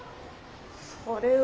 それは。